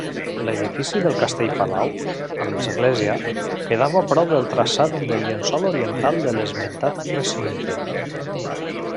L'edifici del castell-palau, amb l'església, quedava prop del traçat del llenç oriental de l'esmentat recinte.